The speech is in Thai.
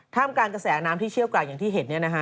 ท่อนการกระแสน้ำที่เชี่ยวกลางอย่างที่เห็นนี้นะคะ